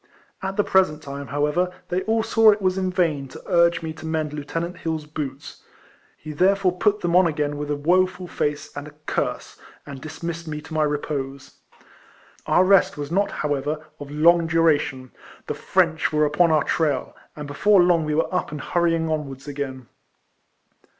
At the present RIFLEMAN HARRIS. 191 time, however, they all saw it was in vain to urge me to mend Lieutenant Hill's boots. He therefore put them on again with a woe ful face and a curse, and dismissed me to my repose. Our rest was not, however, of long duration. The French were upon our trail, and before long we were up and hurrying onwards again.